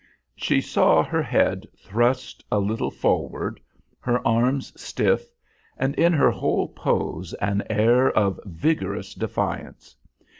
She saw her head thrust a little forward, her arms stiff, and in her whole pose an air of vigorous defiance.